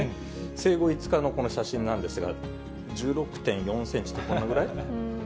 生後５日のこの写真なんですが、１６．４センチってこのぐらい。